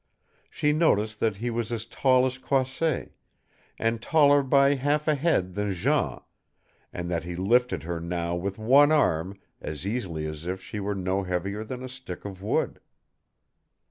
She noticed that he was as tall as Croisset, and taller by half a head than Jean, and that he lifted her now with one arm as easily as if she were no heavier than a stick of wood.